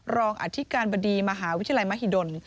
รองอธิการบดีมหาวิทยาลัยมหิดล